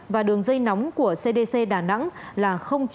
và đường dây nóng của cdc đà nẵng là chín không năm một không tám tám bốn bốn